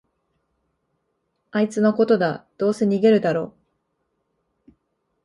あいつのことだ、どうせ逃げるだろ